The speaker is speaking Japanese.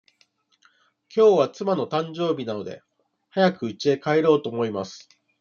きょうは妻の誕生日なので、早くうちへ帰ろうと思います。